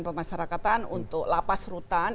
pemasarakatan untuk lapas rutan